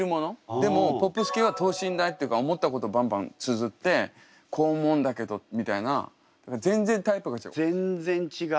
でもポップス系は等身大っていうか思ったことバンバンつづって「こう思うんだけど」みたいな。全然タイプが違う。